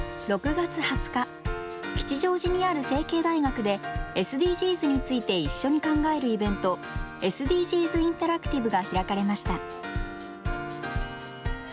６月２０日、吉祥寺にある成蹊大学でＳＤＧｓについて一緒に考えるイベント、ＳＤＧｓインタラクティブが開かれました。